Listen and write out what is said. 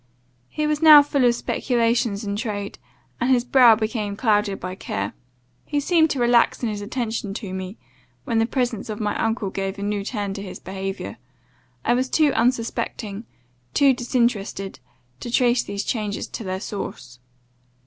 He was now full of speculations in trade, and his brow became clouded by care. He seemed to relax in his attention to me, when the presence of my uncle gave a new turn to his behaviour. I was too unsuspecting, too disinterested, to trace these changes to their source.